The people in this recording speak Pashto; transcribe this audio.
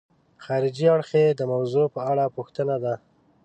خارجي اړخ یې د موضوع په اړه پوښتنه ده.